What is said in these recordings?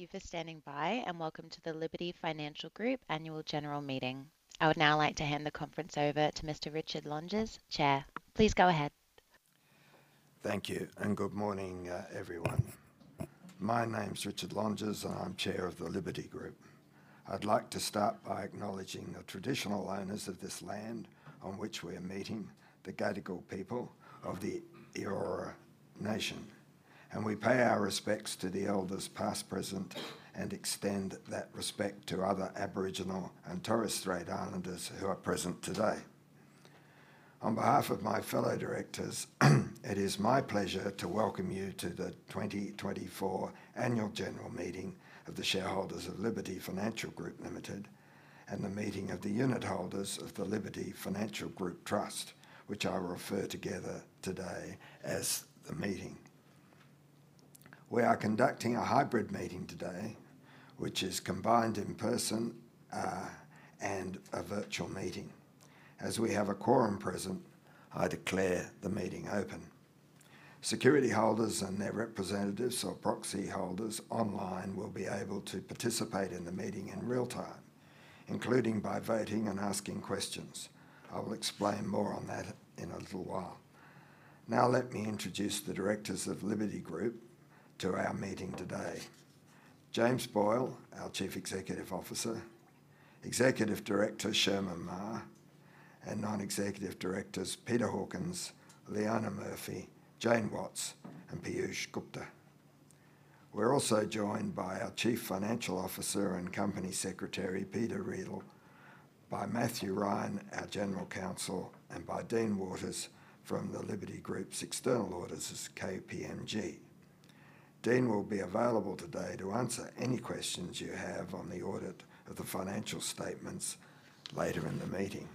Thank you for standing by, and welcome to the Liberty Financial Group Annual General Meeting. I would now like to hand the conference over to Mr. Richard Longes, Chair. Please go ahead. Thank you, and good morning, everyone. My name's Richard Longes, and I'm Chair of the Liberty Group. I'd like to start by acknowledging the traditional owners of this land on which we're meeting, the Gadigal people of the Eora Nation, and we pay our respects to the elders, past, present, and extend that respect to other Aboriginal and Torres Strait Islanders who are present today. On behalf of my fellow directors, it is my pleasure to welcome you to the 2024 Annual General Meeting of the shareholders of Liberty Financial Group Limited and the meeting of the unit holders of the Liberty Financial Group Trust, which I will refer together today as the meeting. We are conducting a hybrid meeting today, which is combined in-person and a virtual meeting. As we have a quorum present, I declare the meeting open. Security holders and their representatives or proxy holders online will be able to participate in the meeting in real time, including by voting and asking questions. I will explain more on that in a little while. Now, let me introduce the directors of Liberty Group to our meeting today. James Boyle, our Chief Executive Officer, Executive Director Sherman Ma, and non-executive directors Peter Hawkins, Leona Murphy, Jane Watts, and Piyush Gupta. We're also joined by our Chief Financial Officer and Company Secretary, Peter Riedel, by Matthew Ryan, our General Counsel, and by Dean Waters from the Liberty Group's external auditors, KPMG. Dean will be available today to answer any questions you have on the audit of the financial statements later in the meeting.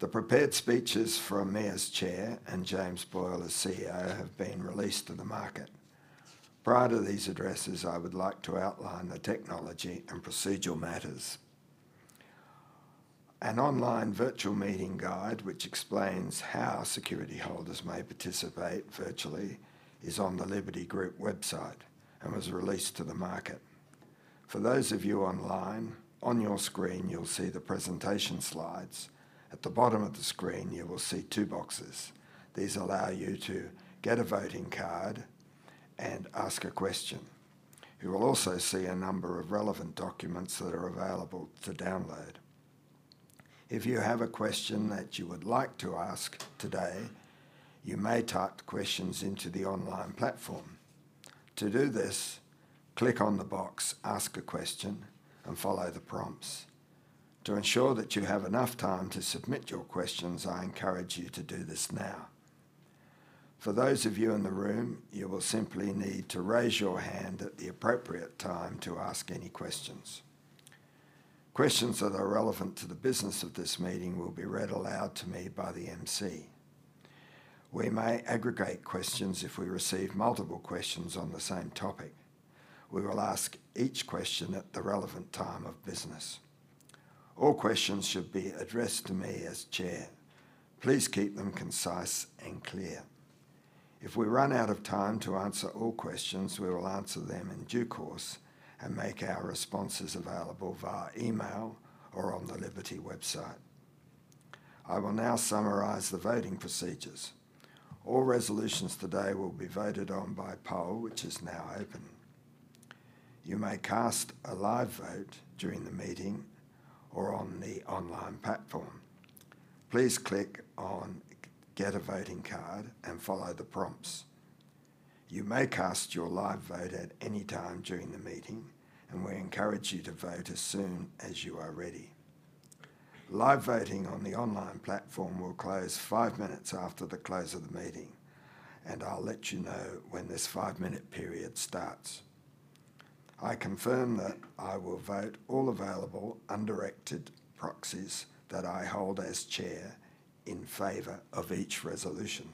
The prepared speeches from me as Chair and James Boyle as CEO have been released to the market. Prior to these addresses, I would like to outline the technology and procedural matters. An online virtual meeting guide, which explains how security holders may participate virtually, is on the Liberty Group website and was released to the market. For those of you online, on your screen, you'll see the presentation slides. At the bottom of the screen, you will see two boxes. These allow you to get a voting card and ask a question. You will also see a number of relevant documents that are available to download. If you have a question that you would like to ask today, you may type the questions into the online platform. To do this, click on the box, Ask a Question, and follow the prompts. To ensure that you have enough time to submit your questions, I encourage you to do this now. For those of you in the room, you will simply need to raise your hand at the appropriate time to ask any questions. Questions that are relevant to the business of this meeting will be read aloud to me by the MC. We may aggregate questions if we receive multiple questions on the same topic. We will ask each question at the relevant time of business. All questions should be addressed to me as Chair. Please keep them concise and clear. If we run out of time to answer all questions, we will answer them in due course and make our responses available via email or on the Liberty website. I will now summarize the voting procedures. All resolutions today will be voted on by poll, which is now open. You may cast a live vote during the meeting or on the online platform. Please click on Get a Voting Card and follow the prompts. You may cast your live vote at any time during the meeting, and we encourage you to vote as soon as you are ready. Live voting on the online platform will close five minutes after the close of the meeting, and I'll let you know when this five-minute period starts. I confirm that I will vote all available undirected proxies that I hold as Chair in favor of each resolution.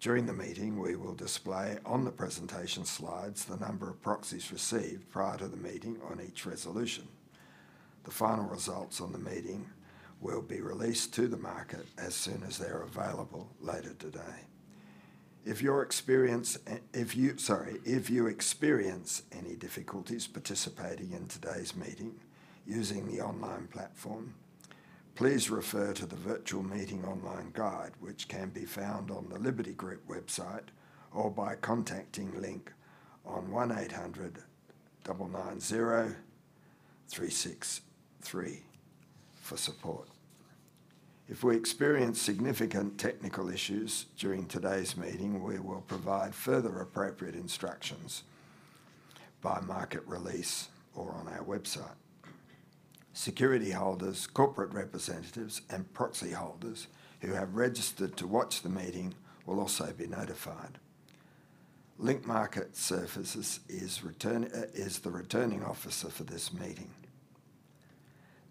During the meeting, we will display on the presentation slides the number of proxies received prior to the meeting on each resolution. The final results on the meeting will be released to the market as soon as they are available later today. If you experience any difficulties participating in today's meeting using the online platform, please refer to the Virtual Meeting Online Guide, which can be found on the Liberty Group website or by contacting Link on 1800 990 363 for support. If we experience significant technical issues during today's meeting, we will provide further appropriate instructions by market release or on our website. Security holders, corporate representatives, and proxy holders who have registered to watch the meeting will also be notified. Link Market Services is the Returning Officer for this meeting.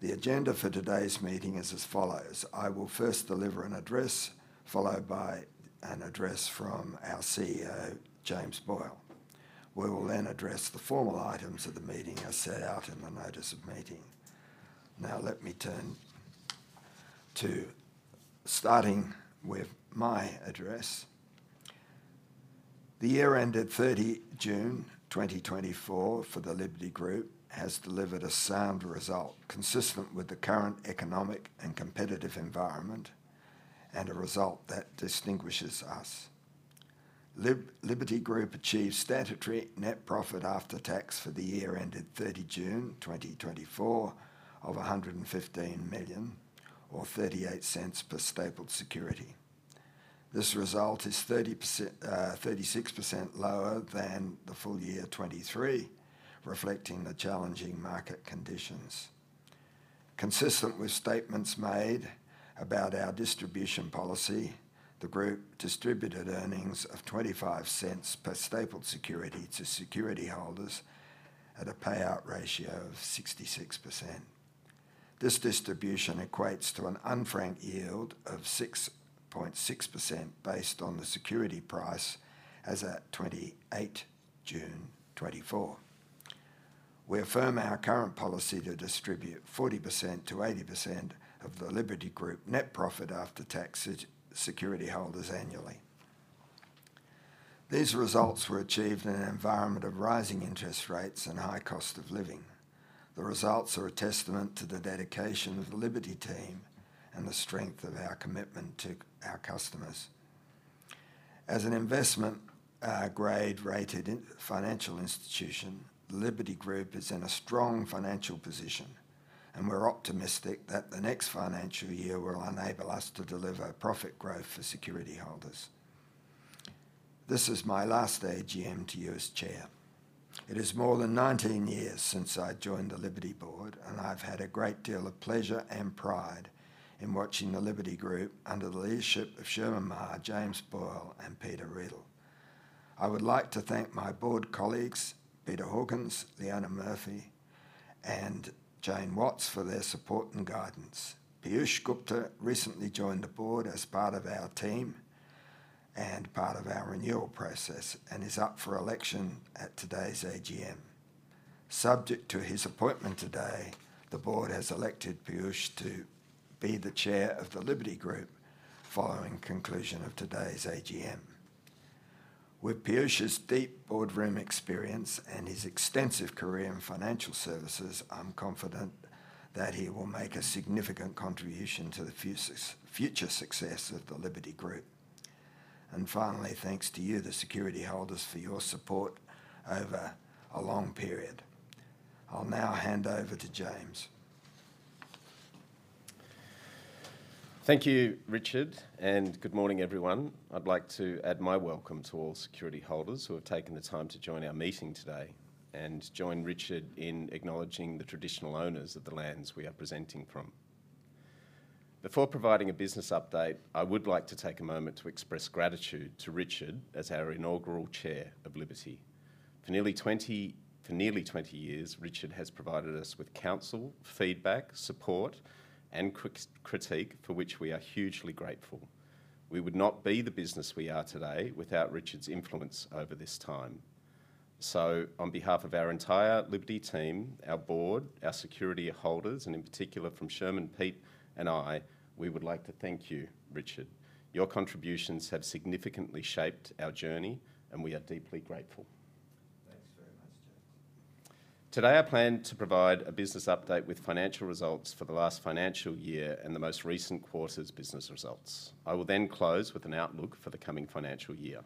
The agenda for today's meeting is as follows: I will first deliver an address, followed by an address from our CEO, James Boyle. We will then address the formal items of the meeting as set out in the notice of meeting. Now, let me turn to starting with my address. The year ended June 30, 2024 for the Liberty Group has delivered a sound result consistent with the current economic and competitive environment, and a result that distinguishes us. Liberty Group achieved statutory net profit after tax for the year ended June 30, 2024 of 115 million, or 0.38 per stapled security. This result is 36% lower than the full year 2023, reflecting the challenging market conditions. Consistent with statements made about our distribution policy, the group distributed earnings of 0.25 per stapled security to security holders at a payout ratio of 66%. This distribution equates to an unfranked yield of 6.6% based on the security price as at June 28, 2024. We affirm our current policy to distribute 40%-80% of the Liberty Group net profit after tax to security holders annually. These results were achieved in an environment of rising interest rates and high cost of living. The results are a testament to the dedication of the Liberty team and the strength of our commitment to our customers. As an investment grade-rated financial institution, Liberty Group is in a strong financial position, and we're optimistic that the next financial year will enable us to deliver profit growth for security holders. This is my last AGM to you as Chair. It is more than nineteen years since I joined the Liberty Board, and I've had a great deal of pleasure and pride in watching the Liberty Group under the leadership of Sherman Ma, James Boyle, and Peter Riedl. I would like to thank my board colleagues, Peter Hawkins, Leona Murphy, and Jane Watts, for their support and guidance. Piyush Gupta recently joined the board as part of our team and part of our renewal process and is up for election at today's AGM. Subject to his appointment today, the board has elected Piyush to be the Chair of the Liberty Group following conclusion of today's AGM. With Piyush's deep boardroom experience and his extensive career in financial services, I'm confident that he will make a significant contribution to the future success of the Liberty Group, and finally, thanks to you, the security holders, for your support over a long period. I'll now hand over to James. Thank you, Richard, and good morning, everyone. I'd like to add my welcome to all security holders who have taken the time to join our meeting today and join Richard in acknowledging the traditional owners of the lands we are presenting from. Before providing a business update, I would like to take a moment to express gratitude to Richard as our inaugural Chair of Liberty. For nearly twenty years, Richard has provided us with counsel, feedback, support, and critique, for which we are hugely grateful. We would not be the business we are today without Richard's influence over this time. So on behalf of our entire Liberty team, our board, our security holders, and in particular from Sherman, Pete, and I, we would like to thank you, Richard. Your contributions have significantly shaped our journey, and we are deeply grateful. Thanks very much, James. Today, I plan to provide a business update with financial results for the last financial year and the most recent quarter's business results. I will then close with an outlook for the coming financial year.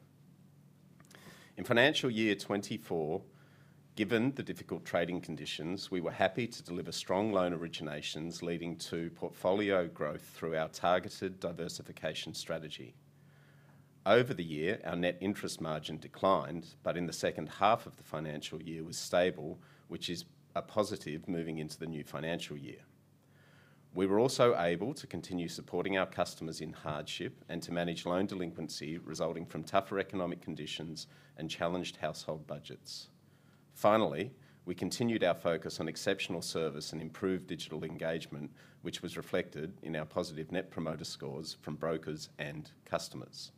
In financial year 2024, given the difficult trading conditions, we were happy to deliver strong loan originations, leading to portfolio growth through our targeted diversification strategy. Over the year, our net interest margin declined, but in the second half of the financial year was stable, which is a positive moving into the new financial year. We were also able to continue supporting our customers in hardship and to manage loan delinquency resulting from tougher economic conditions and challenged household budgets. Finally, we continued our focus on exceptional service and improved digital engagement, which was reflected in our positive net promoter scores from brokers and customers.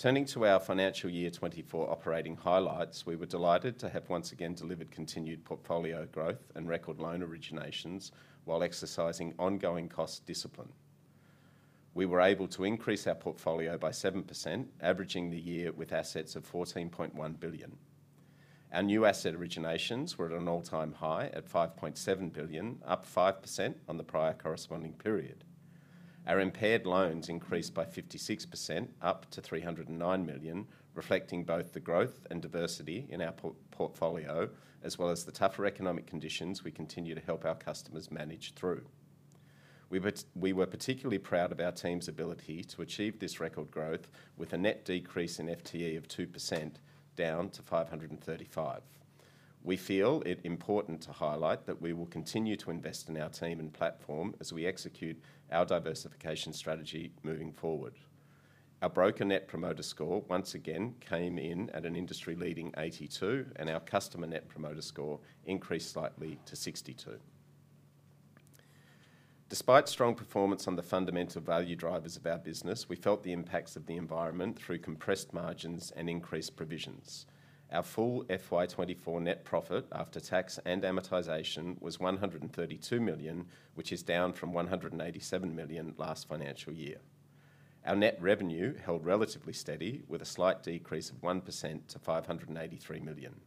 Turning to our financial year 2024 operating highlights, we were delighted to have once again delivered continued portfolio growth and record loan originations while exercising ongoing cost discipline. We were able to increase our portfolio by 7%, averaging the year with assets of 14.1 billion. Our new asset originations were at an all-time high at 5.7 billion, up 5% on the prior corresponding period. Our impaired loans increased by 56%, up to 309 million, reflecting both the growth and diversity in our portfolio, as well as the tougher economic conditions we continue to help our customers manage through. We were particularly proud of our team's ability to achieve this record growth with a net decrease in FTE of 2%, down to 535. We feel it important to highlight that we will continue to invest in our team and platform as we execute our diversification strategy moving forward. Our broker net promoter score once again came in at an industry-leading 82, and our customer net promoter score increased slightly to 62. Despite strong performance on the fundamental value drivers of our business, we felt the impacts of the environment through compressed margins and increased provisions. Our full FY 2024 net profit after tax and amortization was 132 million, which is down from 187 million last financial year. Our net revenue held relatively steady, with a slight decrease of 1% to 583 million.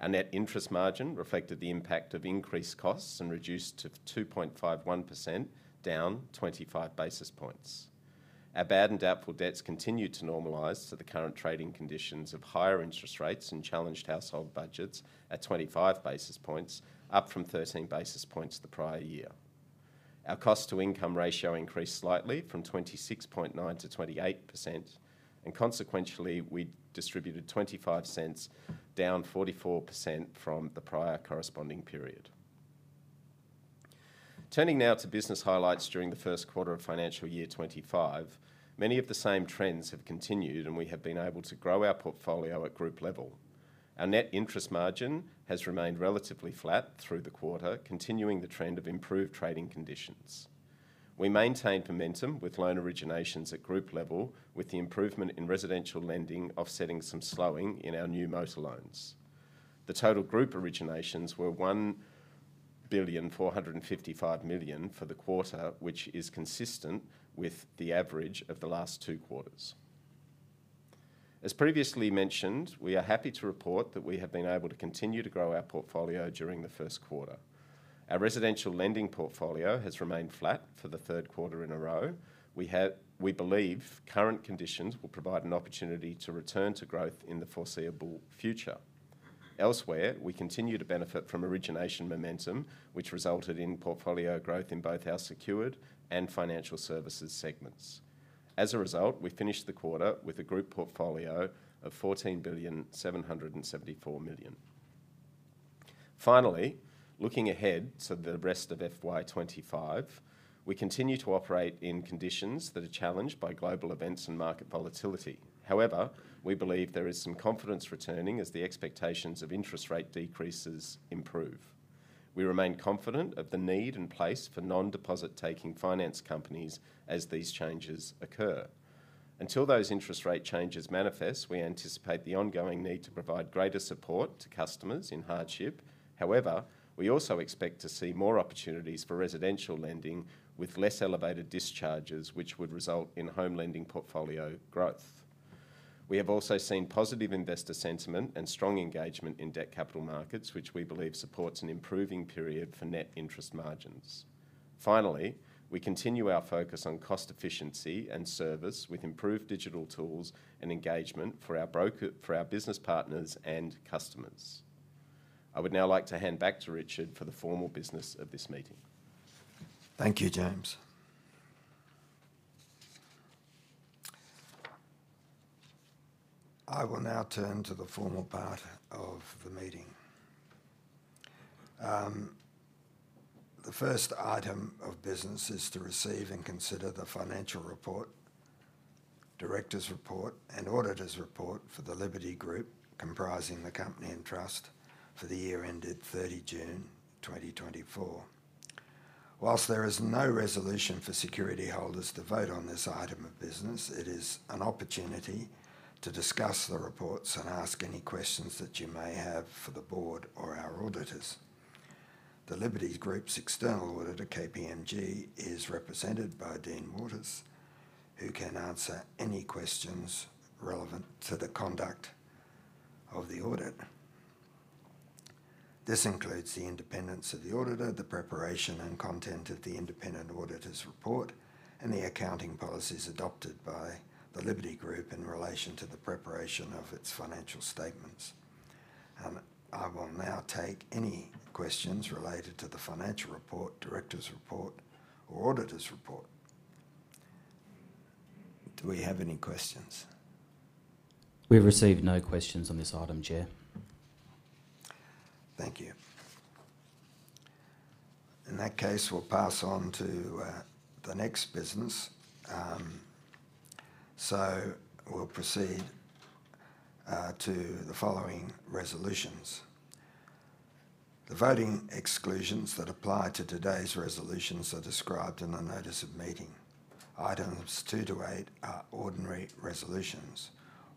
Our net interest margin reflected the impact of increased costs and reduced to 2.51%, down 25 basis points. Our bad and doubtful debts continued to normalize to the current trading conditions of higher interest rates and challenged household budgets at 25 basis points, up from 13 basis points the prior year. Our cost-to-income ratio increased slightly from 26.9% to 28%, and consequentially, we distributed 0.25, down 44% from the prior corresponding period. Turning now to business highlights during the first quarter of financial year 2025, many of the same trends have continued, and we have been able to grow our portfolio at group level. Our net interest margin has remained relatively flat through the quarter, continuing the trend of improved trading conditions. We maintained momentum with loan originations at group level, with the improvement in residential lending offsetting some slowing in our new motor loans. The total group originations were 1.455 billion for the quarter, which is consistent with the average of the last two quarters. As previously mentioned, we are happy to report that we have been able to continue to grow our portfolio during the first quarter. Our residential lending portfolio has remained flat for the third quarter in a row. We believe current conditions will provide an opportunity to return to growth in the foreseeable future. Elsewhere, we continue to benefit from origination momentum, which resulted in portfolio growth in both our secured and financial services segments. As a result, we finished the quarter with a group portfolio of 14.774 billion. Finally, looking ahead to the rest of FY 2025, we continue to operate in conditions that are challenged by global events and market volatility. However, we believe there is some confidence returning as the expectations of interest rate decreases improve. We remain confident of the need and place for non-deposit-taking finance companies as these changes occur. Until those interest rate changes manifest, we anticipate the ongoing need to provide greater support to customers in hardship. However, we also expect to see more opportunities for residential lending with less elevated discharges, which would result in home lending portfolio growth. We have also seen positive investor sentiment and strong engagement in debt capital markets, which we believe supports an improving period for net interest margins. Finally, we continue our focus on cost efficiency and service, with improved digital tools and engagement for our business partners and customers. I would now like to hand back to Richard for the formal business of this meeting. Thank you, James. I will now turn to the formal part of the meeting. The first item of business is to receive and consider the financial report, directors' report, and auditors' report for the Liberty Group, comprising the company and trust, for the year ended June 30, 2024. While there is no resolution for security holders to vote on this item of business, it is an opportunity to discuss the reports and ask any questions that you may have for the board or our auditors. The Liberty Group's external auditor, KPMG, is represented by Dean Waters, who can answer any questions relevant to the conduct of the audit. This includes the independence of the auditor, the preparation and content of the independent auditor's report, and the accounting policies adopted by the Liberty Group in relation to the preparation of its financial statements. I will now take any questions related to the financial report, directors' report, or auditors' report. Do we have any questions? We've received no questions on this item, Chair. Thank you. In that case, we'll pass on to the next business. So we'll proceed to the following resolutions. The voting exclusions that apply to today's resolutions are described in the notice of meeting. Items two to eight are ordinary resolutions.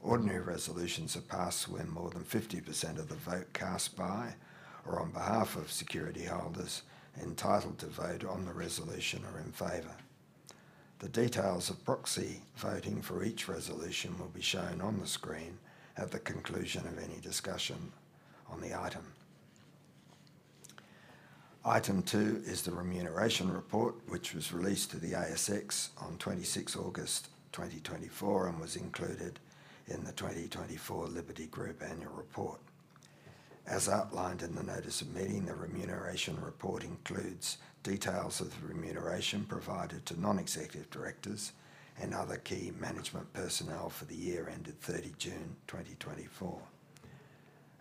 Ordinary resolutions are passed when more than 50% of the vote cast by, or on behalf of, security holders entitled to vote on the resolution are in favor. The details of proxy voting for each resolution will be shown on the screen at the conclusion of any discussion on the item. Item two is the remuneration report, which was released to the ASX on August 26, 2024 and was included in the 2024 Liberty Group Annual Report. As outlined in the notice of meeting, the remuneration report includes details of the remuneration provided to non-executive directors and other key management personnel for the year ended June 30, 2024.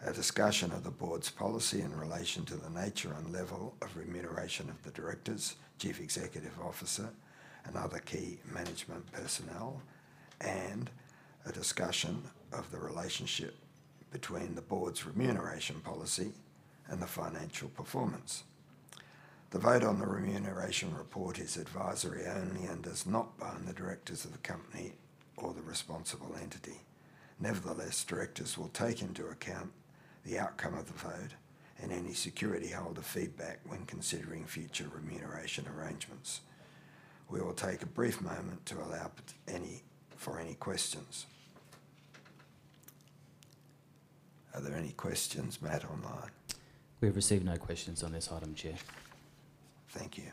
A discussion of the Board's policy in relation to the nature and level of remuneration of the directors, Chief Executive Officer, and other key management personnel, and a discussion of the relationship between the Board's remuneration policy and the financial performance. The vote on the remuneration report is advisory only and does not bind the directors of the company, the responsible entity. Nevertheless, directors will take into account the outcome of the vote and any security holder feedback when considering future remuneration arrangements. We will take a brief moment to allow for any questions. Are there any questions, Matt, online? We've received no questions on this item, Chair. Thank you.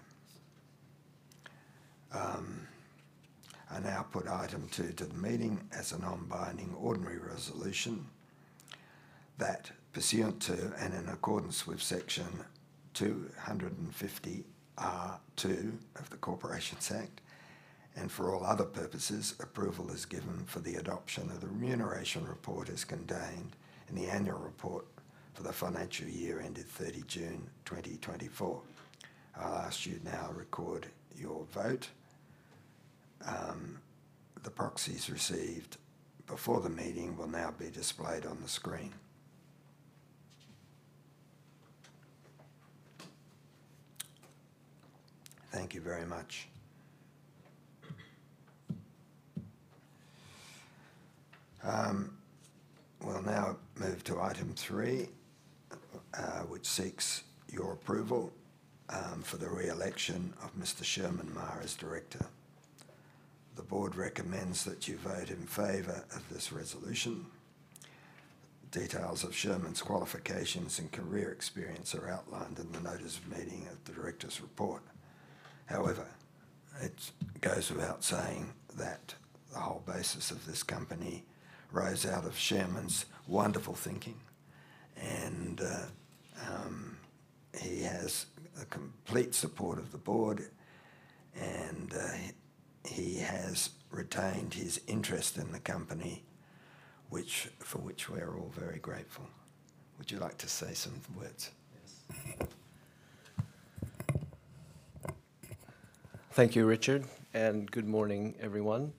I now put item two to the meeting as a non-binding ordinary resolution, that pursuant to and in accordance with Section 250R of the Corporations Act, and for all other purposes, approval is given for the adoption of the remuneration report as contained in the annual report for the financial year ended June 30, 2024. I'll ask you now to record your vote. The proxies received before the meeting will now be displayed on the screen. Thank you very much. We'll now move to item three, which seeks your approval for the re-election of Mr. Sherman Ma as director. The board recommends that you vote in favor of this resolution. Details of Sherman's qualifications and career experience are outlined in the notice of meeting of the directors' report. However, it goes without saying that the whole basis of this company rose out of Sherman's wonderful thinking, and he has the complete support of the board, and he has retained his interest in the company, for which we are all very grateful. Would you like to say some words? Yes. Thank you, Richard, and good morning, everyone.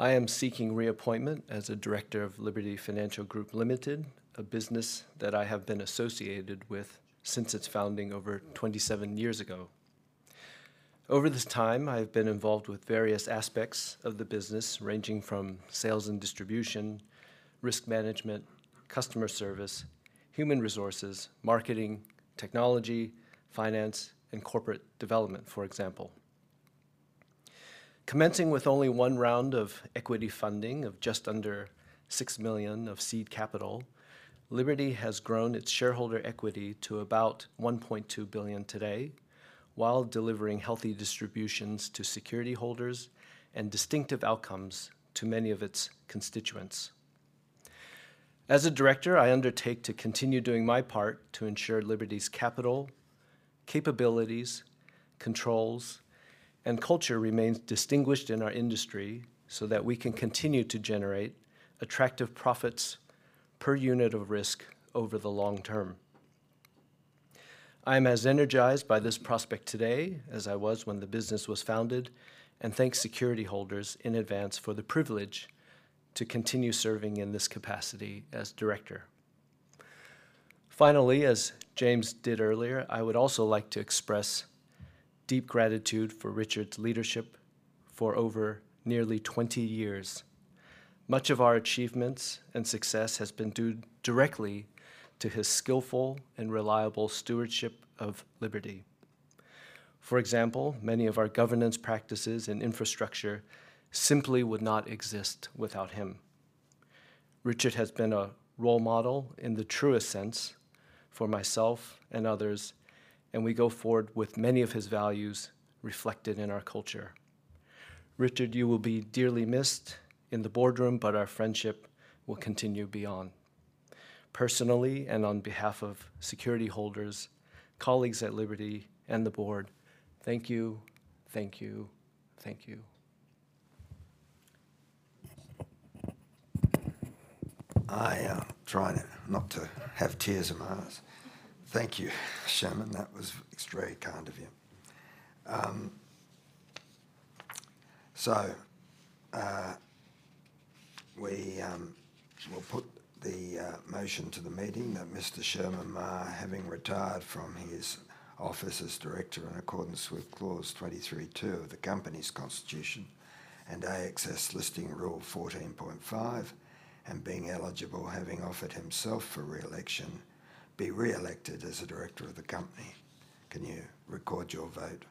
I am seeking reappointment as a director of Liberty Financial Group Limited, a business that I have been associated with since its founding over 27 years ago. Over this time, I've been involved with various aspects of the business, ranging from sales and distribution, risk management, customer service, human resources, marketing, technology, finance, and corporate development, for example. Commencing with only one round of equity funding of just under 6 million of seed capital, Liberty has grown its shareholder equity to about 1.2 billion today, while delivering healthy distributions to security holders and distinctive outcomes to many of its constituents. As a director, I undertake to continue doing my part to ensure Liberty's capital, capabilities, controls, and culture remains distinguished in our industry so that we can continue to generate attractive profits per unit of risk over the long-term. I'm as energized by this prospect today as I was when the business was founded, and thank security holders in advance for the privilege to continue serving in this capacity as director. Finally, as James did earlier, I would also like to express deep gratitude for Richard's leadership for over nearly 20 years. Much of our achievements and success has been due directly to his skillful and reliable stewardship of Liberty. For example, many of our governance practices and infrastructure simply would not exist without him. Richard has been a role model in the truest sense for myself and others, and we go forward with many of his values reflected in our culture. Richard, you will be dearly missed in the boardroom, but our friendship will continue beyond. Personally, and on behalf of security holders, colleagues at Liberty, and the board, thank you, thank you, thank you. I am trying not to have tears in my eyes. Thank you, Sherman. That was extremely kind of you. So, we will put the motion to the meeting that Mr. Sherman Ma, having retired from his office as director in accordance with Clause 23 of the company's constitution and ASX Listing Rule 14.5, and being eligible, having offered himself for re-election, be re-elected as a director of the company. Can you record your vote?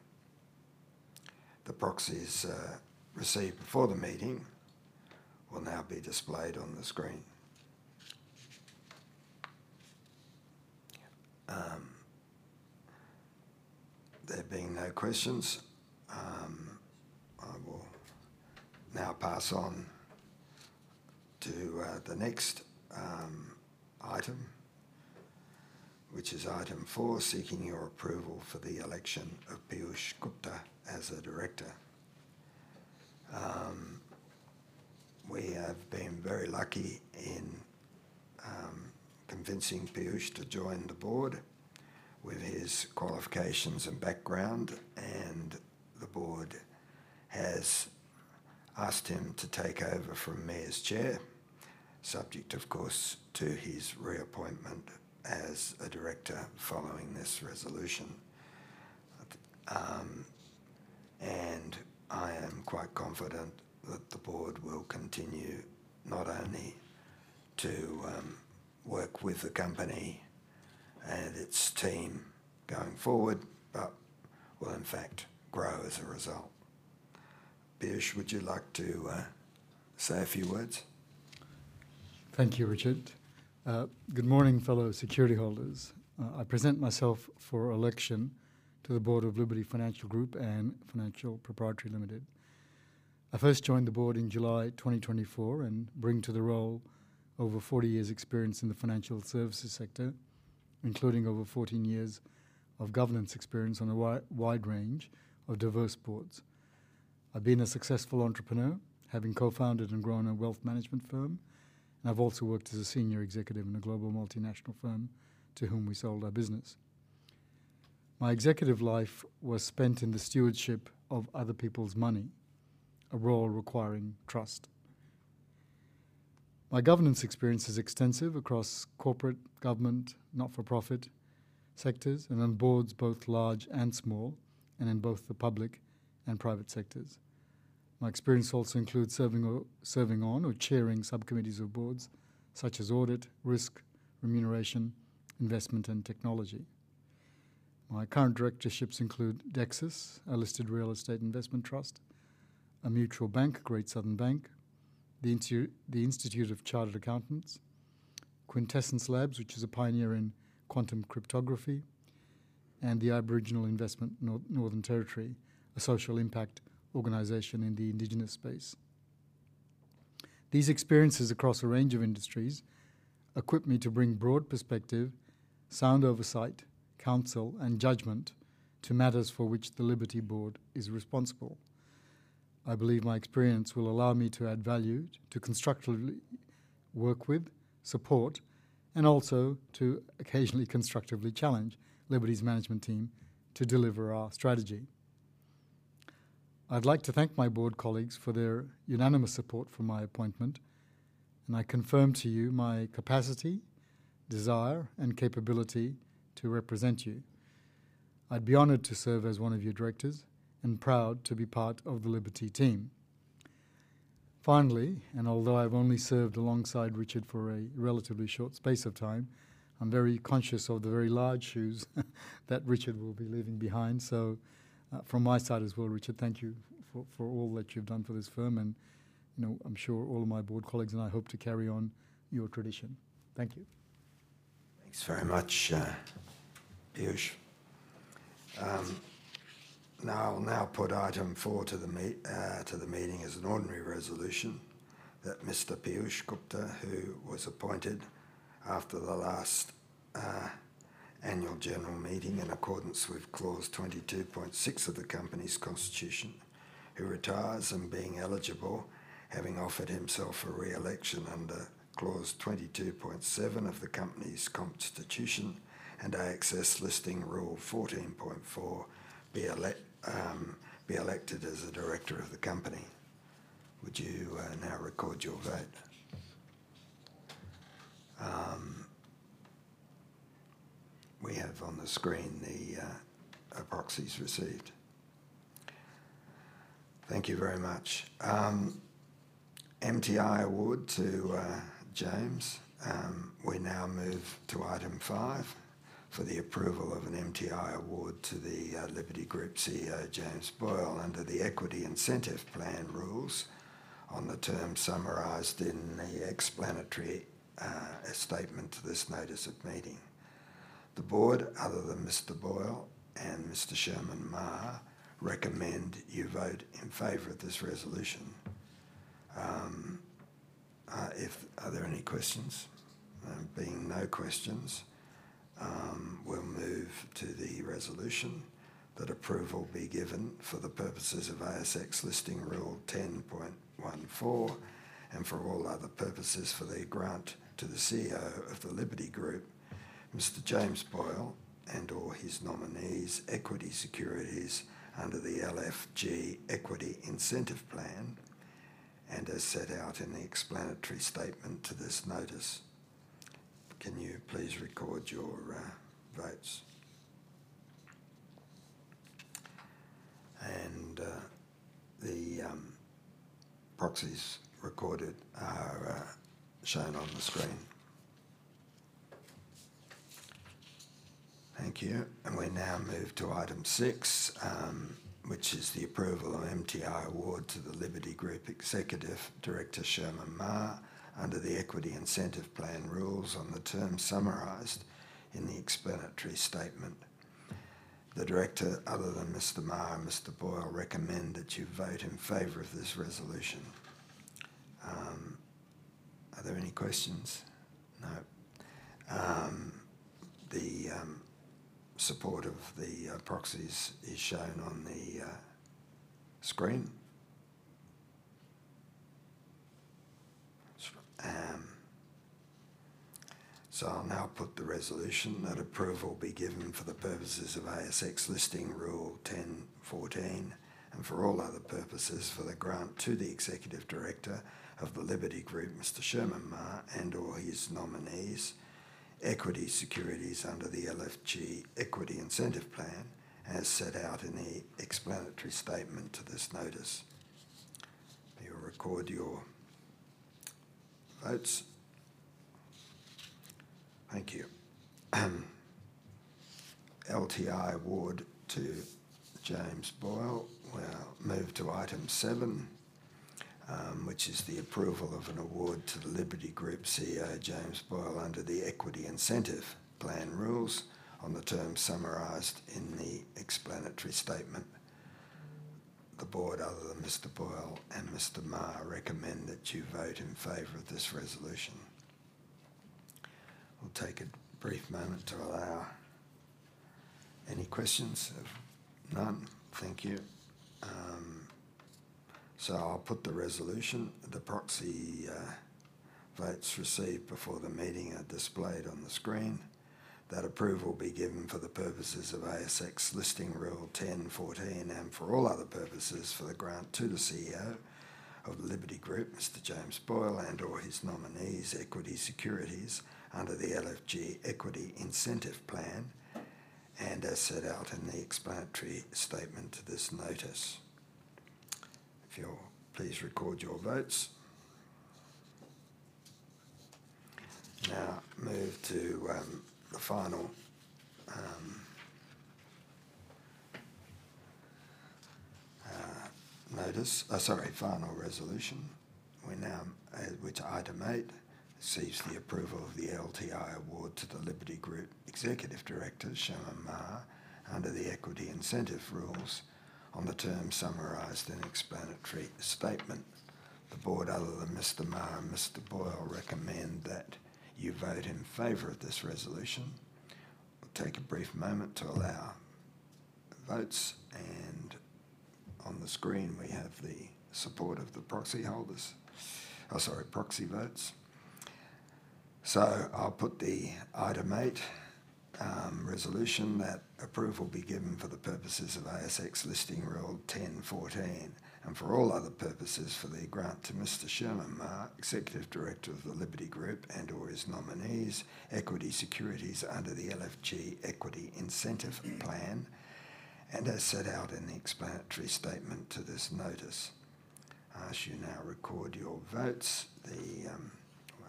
The proxies received before the meeting will now be displayed on the screen. There being no questions, I will now pass on to the next item, which is item four, seeking your approval for the election of Piyush Gupta as a director. We have been very lucky in convincing Piyush to join the board with his qualifications and background, and the board has asked him to take over from me as chair, subject, of course, to his reappointment as a director following this resolution, and I am quite confident that the board will continue not only to work with the company and its team going forward, but will in fact grow as a result. Piyush, would you like to say a few words? Thank you, Richard. Good morning, fellow security holders. I present myself for election to the Board of Liberty Financial Group Limited. I first joined the board in July 2024 and bring to the role over 40 years' experience in the financial services sector, including over 14 years of governance experience on a wide range of diverse boards. I've been a successful entrepreneur, having co-founded and grown a wealth management firm, and I've also worked as a senior executive in a global multinational firm, to whom we sold our business. My executive life was spent in the stewardship of other people's money, a role requiring trust. My governance experience is extensive across corporate, government, not-for-profit sectors, and on boards both large and small, and in both the public and private sectors. My experience also includes serving on or chairing subcommittees of boards such as audit, risk, remuneration, investment, and technology. My current directorships include Dexus, a listed real estate investment trust, a mutual bank, Great Southern Bank, the Institute of Chartered Accountants, QuintessenceLabs, which is a pioneer in quantum cryptography, and the Aboriginal Investment Northern Territory, a social impact organization in the indigenous space. These experiences across a range of industries equip me to bring broad perspective, sound oversight, counsel, and judgment to matters for which the Liberty Board is responsible. I believe my experience will allow me to add value, to constructively work with, support, and also to occasionally constructively challenge Liberty's management team to deliver our strategy. I'd like to thank my board colleagues for their unanimous support for my appointment, and I confirm to you my capacity, desire, and capability to represent you. I'd be honored to serve as one of your directors and proud to be part of the Liberty team. Finally, and although I've only served alongside Richard for a relatively short space of time, I'm very conscious of the very large shoes that Richard will be leaving behind. So, from my side as well, Richard, thank you for all that you've done for this firm, and, you know, I'm sure all of my board colleagues and I hope to carry on your tradition. Thank you. Thanks very much, Piyush. Now I'll put item four to the meeting as an ordinary resolution that Mr Piyush Gupta, who was appointed after the last annual general meeting, in accordance with Clause 22.6 of the company's constitution, who retires and being eligible, having offered himself for re-election under Clause 20.7 of the company's constitution and ASX Listing Rule 14.4, be elected as a director of the company. Would you now record your vote? We have on the screen the proxies received. Thank you very much. MTI award to James. We now move to item five for the approval of an MTI award to the Liberty Group CEO, James Boyle, under the Equity Incentive Plan rules on the terms summarized in the explanatory statement to this notice of meeting. The board, other than Mr Boyle and Mr Sherman Ma, recommend you vote in favor of this resolution. Are there any questions? Being no questions, we'll move to the resolution that approval be given for the purposes of ASX Listing Rule 10.14, and for all other purposes, for the grant to the CEO of the Liberty Group, Mr James Boyle, and/or his nominees, equity securities under the LFG Equity Incentive Plan, and as set out in the explanatory statement to this notice. Can you please record your votes? The proxies recorded are shown on the screen. Thank you. We now move to item six, which is the approval of MTI award to the Liberty Group Executive Director, Sherman Ma, under the Equity Incentive Plan rules on the terms summarized in the explanatory statement. The director, other than Mr. Ma and Mr. Boyle, recommend that you vote in favor of this resolution. Are there any questions? No. The support of the proxies is shown on the screen. So I'll now put the resolution that approval be given for the purposes of ASX Listing Rule 10.14 and for all other purposes, for the grant to the Executive Director of the Liberty Group, Mr. Sherman Ma, and/or his nominees, equity securities under the LFG Equity Incentive Plan, as set out in the explanatory statement to this notice. You will record your votes. Thank you. LTI award to James Boyle. We'll now move to item seven, which is the approval of an award to the Liberty Group CEO, James Boyle, under the Equity Incentive Plan rules on the terms summarized in the explanatory statement. The board, other than Mr. Boyle and Mr. Ma, recommend that you vote in favor of this resolution. We'll take a brief moment to allow any questions. If none, thank you. So I'll put the resolution. The proxy votes received before the meeting are displayed on the screen. That approval be given for the purposes of ASX Listing Rule 10.14, and for all other purposes, for the grant to the CEO of Liberty Group, Mr. James Boyle, and/or his nominees, equity securities under the LFG Equity Incentive Plan, and as set out in the explanatory statement to this notice. If you'll please record your votes. Now, move to the final resolution. We now move to item eight seeks the approval of the LTI award to the Liberty Group Executive Director, Sherman Ma, under the Equity Incentive Rules on the terms summarized in explanatory statement. The board, other than Mr. Ma and Mr. Boyle, recommend that you vote in favor of this resolution. We'll take a brief moment to allow votes, and on the screen, we have the support of the proxy votes. So I'll put the item eight resolution: that approval be given for the purposes of ASX Listing Rule 10.14, and for all other purposes, for the grant to Mr. Sherman Ma, Executive Director of the Liberty Group, and/or his nominees, equity securities under the LFG Equity Incentive Plan, and as set out in the explanatory statement to this notice. I ask you now record your votes. Then,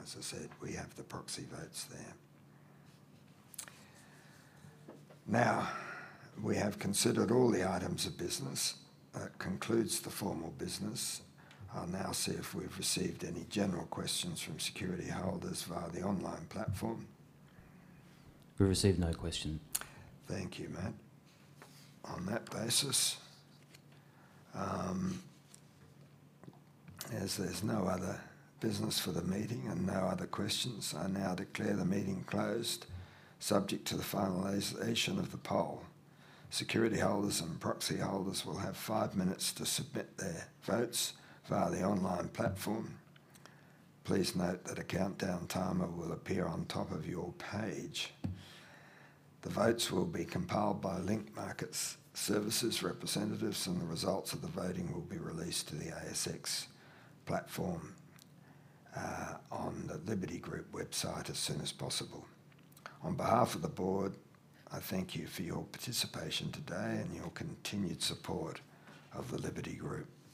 as I said, we have the proxy votes there. Now, we have considered all the items of business. That concludes the formal business. I'll now see if we've received any general questions from security holders via the online platform. We've received no question. Thank you, Matt. On that basis, as there's no other business for the meeting and no other questions, I now declare the meeting closed, subject to the finalization of the poll. Security holders and proxy holders will have five minutes to submit their votes via the online platform. Please note that a countdown timer will appear on top of your page. The votes will be compiled by Link Market Services representatives, and the results of the voting will be released to the ASX platform, on the Liberty Group website as soon as possible. On behalf of the board, I thank you for your participation today and your continued support of the Liberty Group.